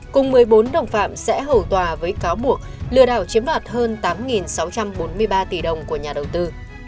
cùng một mươi bốn đồng phạm sẽ hầu tòa với cáo buộc lừa đảo chiếm đoạt hơn tám sáu trăm bốn mươi ba tỷ đồng của nhà đầu tư